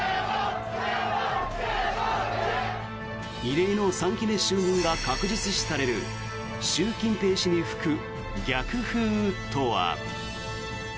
異例の３期目就任が確実視される習近平氏に吹く逆風とは。